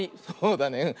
そうだね。